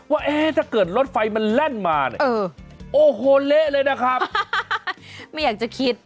ว่าเอ๊ะถ้าเกิดรถไฟมันแล่นมาเนี่ยโอ้โหเละเลยนะครับไม่อยากจะคิด